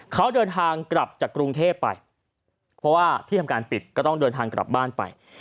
เขาเดินทางกลับจากกรุงเทพไปเพราะว่าที่ทำการปิดก็ต้องเดินทางกลับบ้านไป